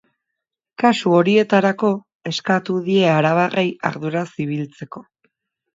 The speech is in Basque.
Kasu horietarako, eskatu die arabarrei arduraz ibiltzeko.